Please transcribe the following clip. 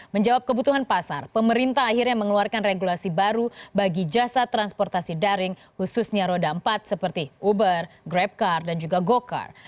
menjawab kebutuhan pasar pemerintah akhirnya mengeluarkan regulasi baru bagi jasa transportasi daring khususnya roda empat seperti uber grabcar dan juga go car